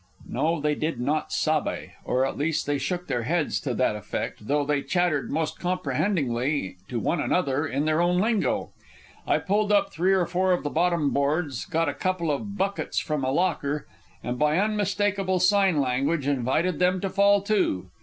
No, they did not "sabbe," or at least they shook their heads to that effect, though they chattered most comprehendingly to one another in their own lingo. I pulled up three or four of the bottom boards, got a couple of buckets from a locker, and by unmistakable sign language invited them to fall to.